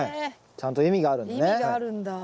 ちゃんと意味があるんだね。